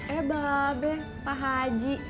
eba be pak haji